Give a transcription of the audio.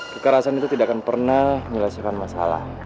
kekerasan itu tidak akan pernah menyelesaikan masalah